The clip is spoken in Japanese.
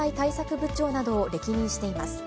部長などを歴任しています。